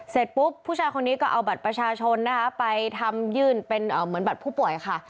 เสร็จปุ๊บผู้ชายคนนี้ก็เอาบัตรประชาชนนะคะไปทำยื่นเป็นเหมือนบัตรผู้ป่วยค่ะ